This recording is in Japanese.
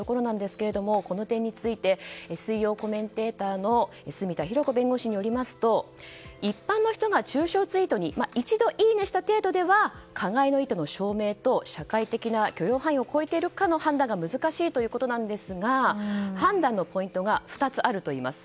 この点について水曜コメンテーターの住田裕子弁護士によりますと一般の人が中傷ツイートに一度ツイートした程度では加害の意図の証明と社会的な許容範囲を超えているかの難しいということなんですが判断のポイントが２つあるといいます。